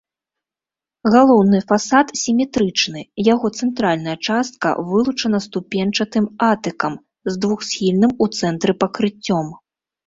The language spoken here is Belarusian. Галоўны фасад сіметрычны, яго цэнтральная частка вылучана ступеньчатым атыкам з двухсхільным у цэнтры пакрыццём.